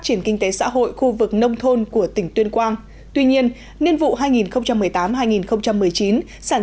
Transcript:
triển kinh tế xã hội khu vực nông thôn của tỉnh tuyên quang tuy nhiên niên vụ hai nghìn một mươi tám hai nghìn một mươi chín sản